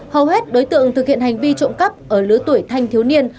hầu hết đối tượng thực hiện hành vi trộm cắp ở lứa tuổi thanh thiếu niên